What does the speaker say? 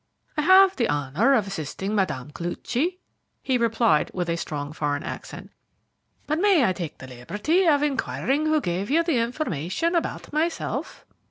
"I have the honour of assisting Mme. Koluchy," he replied, with a strong foreign accent; "but may I take the liberty of inquiring who gave you the information about myself?"